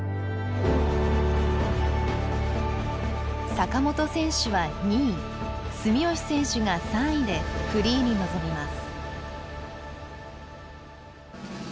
坂本選手は２位住吉選手が３位でフリーに臨みます。